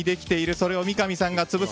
それを三上さんが潰す。